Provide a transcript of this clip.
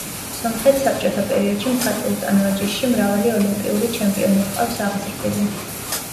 სომხეთს საბჭოთა პერიოდში, მხატვრულ ტანვარჯიშში, მრავალი ოლიმპიური ჩემპიონი ჰყავს აღზრდილი.